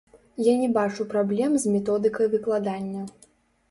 Я не бачу праблем з методыкай выкладання.